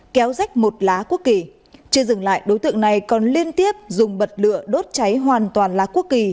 kéo rách một lá quốc kỳ chưa dừng lại đối tượng này còn liên tiếp dùng bật lựa đốt cháy hoàn toàn lá quốc kỳ